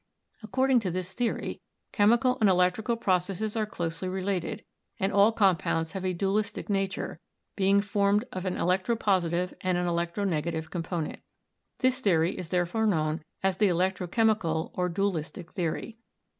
According to this theory, chemical and electrical processes are closely re lated, and all compounds have a dualistic nature, being formed of an electropositive and an electronegative com ponent. This theory is therefore known as the electro chemical or dualistic theory.